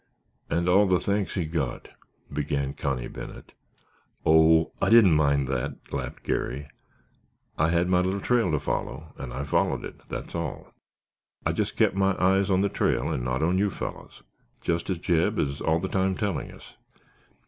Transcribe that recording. "And all the thanks he got——" began Connie Bennet. "Oh, I didn't mind that," laughed Garry; "I had my little trail to follow, and I followed it, that's all. I just kept my eyes on the trail and not on you fellows—just as Jeb is all the time telling us.